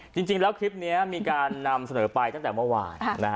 จริงแล้วคลิปนี้มีการนำเสนอไปตั้งแต่เมื่อวาน